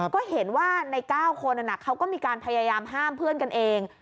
ก็เห็นว่าใน๙คนเขาก็มีการพยายามห้ามเพื่อนกันเอง